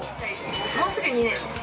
もうすぐ２年です。